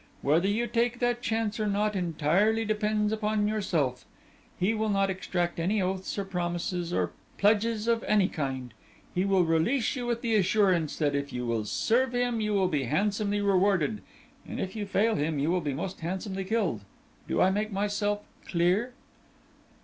Whether you take that chance or not entirely depends upon yourself. He will not extract any oaths or promises or pledges of any kind; he will release you with the assurance that if you will serve him you will be handsomely rewarded, and if you fail him you will be most handsomely killed; do I make myself clear?"